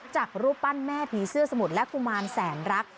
จากรูปปั้นแม่ผีเสื้อสมุทรและกุมารแสนรัก